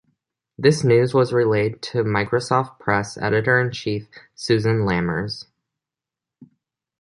This news was relayed to Microsoft Press editor-in-chief "Susan Lammers".